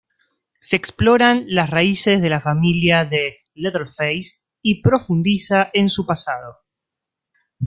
Se exploran las raíces de la familia de Leatherface y profundiza en su pasado.